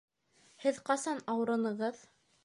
Һеҙ ҡасан ауырынығыҙ?